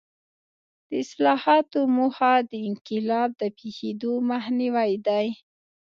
د اصلاحاتو موخه د انقلاب د پېښېدو مخنیوی دی.